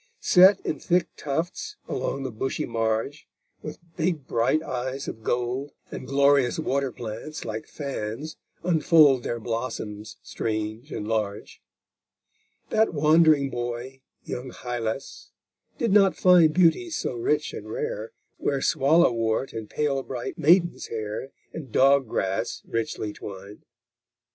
Set in thick tufts along the bushy marge With big bright eyes of gold; And glorious water plants, like fans, unfold Their blossoms strange and large. That wandering boy, young Hylas, did not find Beauties so rich and rare, Where swallow wort and pale bright maiden's hair And dog grass richly twined.